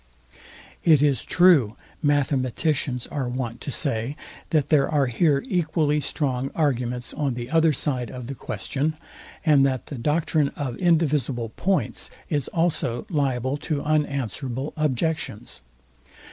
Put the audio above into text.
It is true, mathematicians are wont to say, that there are here equally strong arguments on the other side of the question, and that the doctrine of indivisible points is also liable to unanswerable objections.